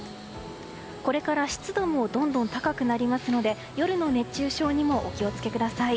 これから湿度もどんどん高くなりますので夜の熱中症にもお気を付けください。